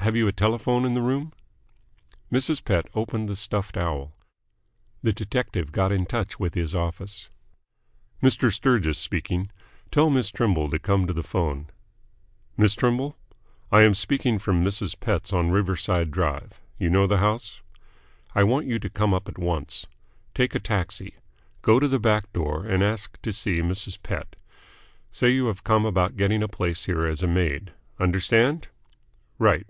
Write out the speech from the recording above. Have you a telephone in the room?" Mrs. Pett opened the stuffed owl. The detective got in touch with his office. "Mr. Sturgis speaking. Tell Miss Trimble to come to the phone. ... Miss Trimble? I am speaking from Mrs. Pett's on Riverside Drive. You know the house? I want you to come up at once. Take a taxi. Go to the back door and ask to see Mrs. Pett. Say you have come about getting a place here as a maid. Understand? Right.